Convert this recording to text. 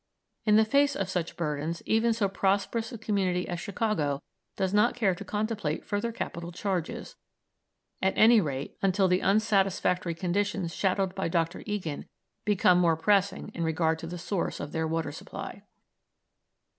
In the face of such burdens even so prosperous a community as Chicago does not care to contemplate further capital charges, at any rate until the unsatisfactory conditions shadowed by Dr. Egan become more pressing in regard to the source of their water supply.